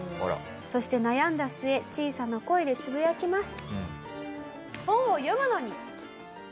そして悩んだ末小さな声でつぶやきます。